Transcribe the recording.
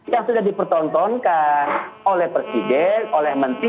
yang sudah dipertontonkan oleh presiden oleh menteri